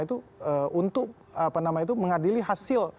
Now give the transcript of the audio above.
untuk apa namanya itu mengadili hasil